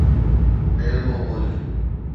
تيلوگو ٻولي